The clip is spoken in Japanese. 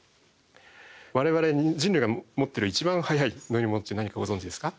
我々人類が持ってる一番速い乗り物って何かご存じですか？